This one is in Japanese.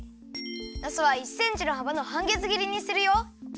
なすは１センチのはばのはんげつ切りにするよ。